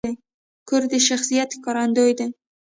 کور د شخصیت ښکارندوی دی.